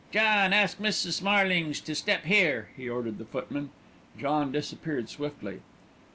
"John, ask Mrs. Marlings to step here," he ordered the footman. John disappeared swiftly.